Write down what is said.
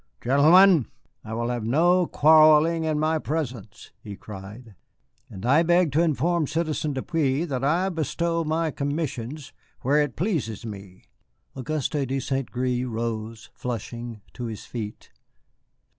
"Gentlemen, I will have no quarrelling in my presence," he cried; "and I beg to inform Citizen Depeau that I bestow my commissions where it pleases me." Auguste de St. Gré rose, flushing, to his feet.